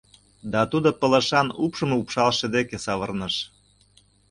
— Да тудо пылышан упшым упшалше деке савырныш: